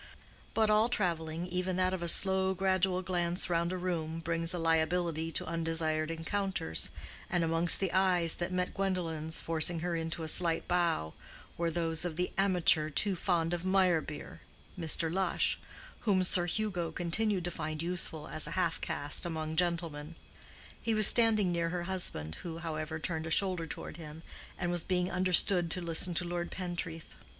But all traveling, even that of a slow gradual glance round a room, brings a liability to undesired encounters, and amongst the eyes that met Gwendolen's, forcing her into a slight bow, were those of the "amateur too fond of Meyerbeer," Mr. Lush, whom Sir Hugo continued to find useful as a half caste among gentlemen. He was standing near her husband, who, however, turned a shoulder toward him, and was being understood to listen to Lord Pentreath.